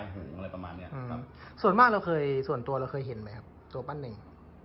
ส่วนมากเราเคยส่วนตัวเห็นไหมครับตัวปั้นเน่ง